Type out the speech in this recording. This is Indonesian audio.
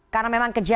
karena memang kejadian